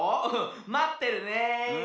まってるね。